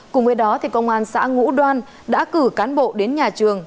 cùng với đó công an xã ngũ đoan đã cử cán bộ đến nhà trường